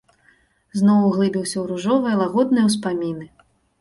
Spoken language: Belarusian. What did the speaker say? Зноў углыбіўся ў ружовыя, лагодныя ўспаміны.